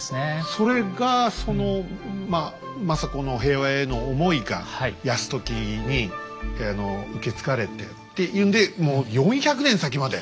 それが政子の平和への思いが泰時に受け継がれてっていうんでもう４００年先まで。